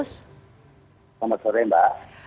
selamat sore mbak